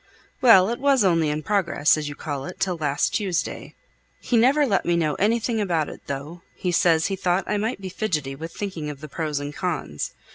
"Well, it was only in progress, as you call it, till last Tuesday. He never let me know anything about it, though; he says he thought I might be fidgety with thinking of the pros and cons.